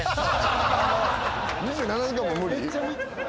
２７時間も無理？